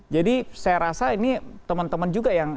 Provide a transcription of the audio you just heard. jadi saya rasa ini teman teman juga yang